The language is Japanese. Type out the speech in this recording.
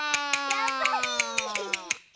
やっぱり！